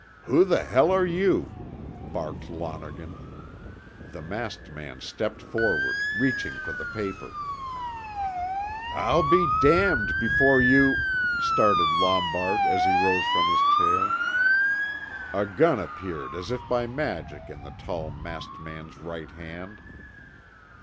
"Who the hell are you?" barked Lonergan. The masked man stepped forward, reaching for the paper. "I'll be damned before you " started Lombard, as he rose from his chair. A gun appeared as if by magic in the tall masked man's right hand.